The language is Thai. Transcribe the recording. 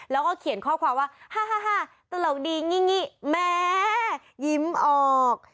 แล้วก็เขียนข้อความว่าฮ่าตลกดีงี่แม่ยิ้มออก